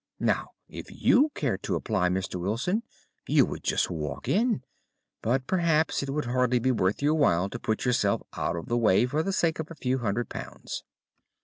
Now, if you cared to apply, Mr. Wilson, you would just walk in; but perhaps it would hardly be worth your while to put yourself out of the way for the sake of a few hundred pounds.